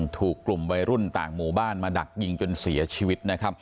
ถูกกลุ่มวัยรุ่นต่างหมู่บ้านมาดักยิงจนเสียชีวิตนะครับ